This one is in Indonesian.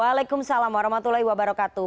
waalaikumsalam warahmatullahi wabarakatuh